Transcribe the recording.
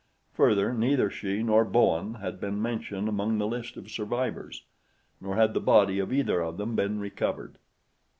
Further, neither she nor Bowen had been mentioned among the list of survivors; nor had the body of either of them been recovered.